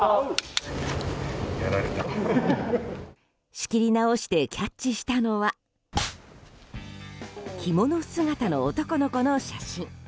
仕切り直してキャッチしたのは着物姿の男の子の写真。